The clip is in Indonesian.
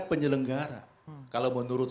penyelenggara kalau menurut